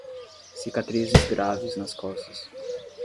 Cicatrizes graves nas costas